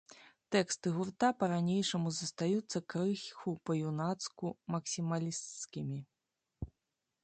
Тэксты гурта па-ранейшаму застаюцца крыху па-юнацку максімалісцкімі.